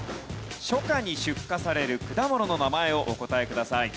初夏に出荷される果物の名前をお答えください。